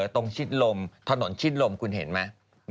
ชิดลมถนนชิดลมคุณเห็นไหม